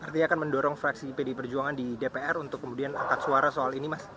artinya akan mendorong fraksi pdi perjuangan di dpr untuk kemudian angkat suara soal ini mas